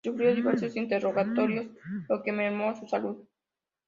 Sufrió diversos interrogatorios, lo que mermó su salud.